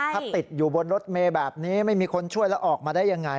ถ้าติดอยู่บนรถเมย์แบบนี้ไม่มีคนช่วยแล้วออกมาได้ยังไง